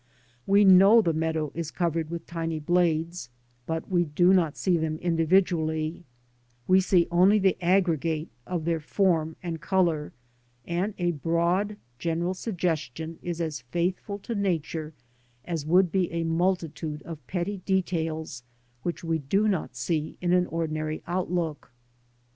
We know the meadow is covered with tiny blades, but we do not see them individually; we see only the aggregate of their form and colour, and a broad general suggestion is as faithful to Nature as would be a multitude of petty details which we do not see in an ordinary outlook.